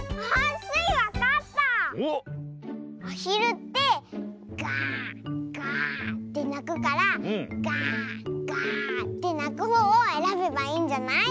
アヒルってガーガーってなくからガーガーってなくほうをえらべばいいんじゃない？